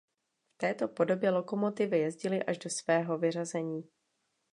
V této podobě lokomotivy jezdily až do svého vyřazení.